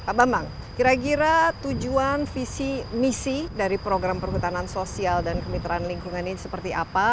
pak bambang kira kira tujuan visi misi dari program perhutanan sosial dan kemitraan lingkungan ini seperti apa